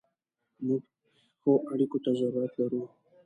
موږ ښو اړیکو ته ضرورت لرو.